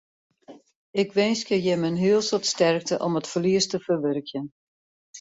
Ik winskje jimme in heel soad sterkte om it ferlies te ferwurkjen.